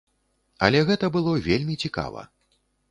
Але гэта было вельмі цікава.